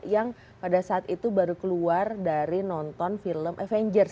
yang pada saat itu baru keluar dari nonton film avengers